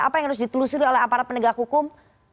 apa yang harus ditelusuri oleh aparat penegak hukum